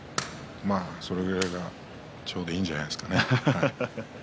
まあ、それぐらいがちょうどいいんじゃないですかね。